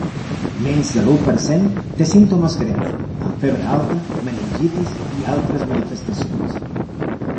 Menys de l’u per cent té símptomes greus, amb febre alta, meningitis i altres manifestacions.